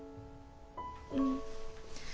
うん。